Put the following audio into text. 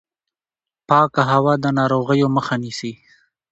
پاکه هوا د ناروغیو مخه نیسي.